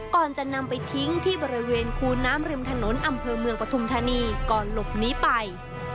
ก่อนจะนำไปทิ้งที่บริเวณคูน้ำริมถนนอำเภอเมืองปฐุมธานีก่อนหลบหนีไป